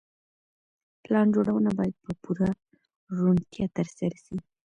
پلان جوړونه بايد په پوره روڼتيا ترسره سي.